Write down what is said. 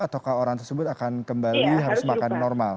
ataukah orang tersebut akan kembali harus makan normal